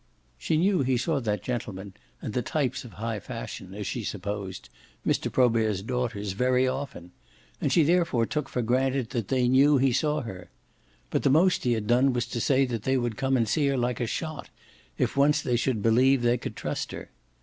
She knew he saw that gentleman and the types of high fashion, as she supposed, Mr. Probert's daughters, very often, and she therefore took for granted that they knew he saw her. But the most he had done was to say they would come and see her like a shot if once they should believe they could trust her.